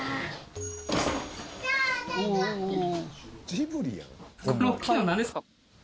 ジブリやん。